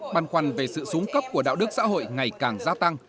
băn khoăn về sự súng cấp của đạo đức xã hội ngày càng gia tăng